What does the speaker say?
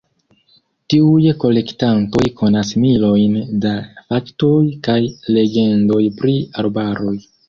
Tiuj kolektantoj konas milojn da faktoj kaj legendoj pri arbaroj.